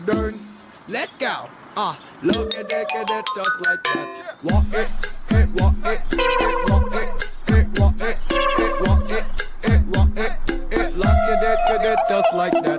โอเคสวัสดีค่ะ